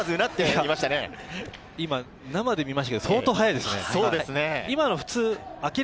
今、生で見ましたが相当速いですね。